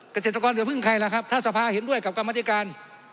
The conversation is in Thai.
เกษตรกรเดี๋ยวพึ่งใครล่ะครับท่าสภาเห็นด้วยกับการบรรดิการ